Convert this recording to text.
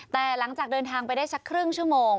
แต่หลังจากเดินทางไปได้สักครึ่งชั่วโมง